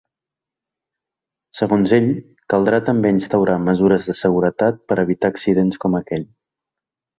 Segons ell, caldrà també instaurar mesures de seguretat per evitar accidents com aquell.